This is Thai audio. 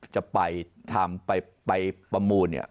จะไปทำไปประมูลเนี่ย